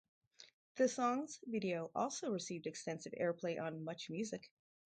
The song's video also received extensive airplay on MuchMusic.